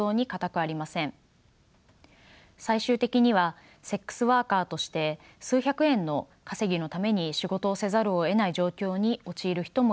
最終的にはセックスワーカーとして数百円の稼ぎのために仕事をせざるをえない状況に陥る人もいます。